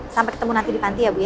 sampai ketemu nanti di panti ya bu ya